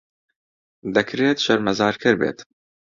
دەکرێت شەرمەزارکەر بێت.